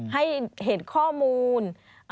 ให้เห็นข้อมูล